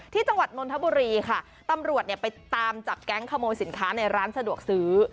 จังหวัดนนทบุรีค่ะตำรวจเนี่ยไปตามจับแก๊งขโมยสินค้าในร้านสะดวกซื้อ